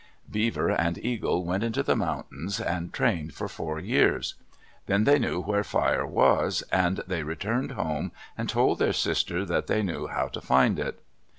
Beaver and Eagle went into the mountains and trained for four years. Then they knew where fire was, and they returned home and told their sister that they knew how to find it.